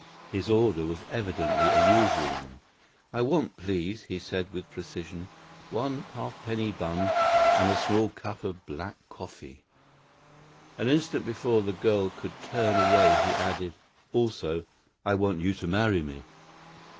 His order was evidently a usual one. "I want, please," he said with precision, "one halfpenny bun and a small cup of black coffee." An instant before the girl could turn away he added, "Also, I want you to marry me."